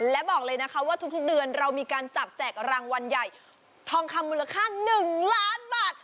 และบอกเลยนะคะว่าทุกเดือนเรามีการจับแจกรางวัลใหญ่ทองคำมูลค่า๑ล้านบาท